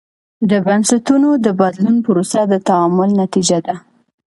د بنسټونو د بدلون پروسه د تعامل نتیجه ده.